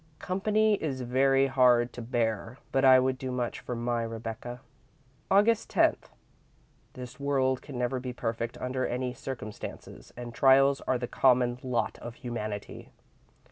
Company is very hard to bear, but I would do much for my Rebecca. "Aug. 10. This world can never be perfect under any circumstances, and trials are the common lot of humanity.